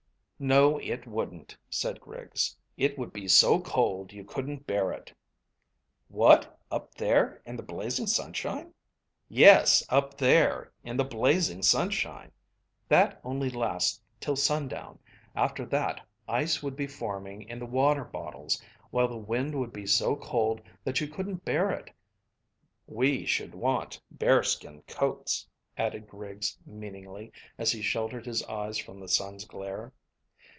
"No it wouldn't," said Griggs. "It would be so cold you couldn't bear it." "What, up there in the blazing sunshine?" "Yes, up there in the blazing sunshine. That only lasts till sundown; after that ice would be forming in the water bottles, while the wind would be so cold that you couldn't bear it. We should want bearskin coats," added Griggs meaningly, as he sheltered his eyes from the sun's glare.